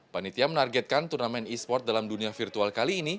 panitia menargetkan turnamen esports dalam dunia virtual kali ini